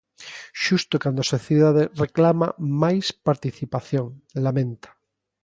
"Xusto cando a sociedade reclama máis participación", lamenta.